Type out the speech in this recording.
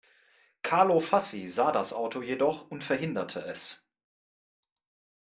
Carlo Fassi sah das Auto jedoch und verhinderte es.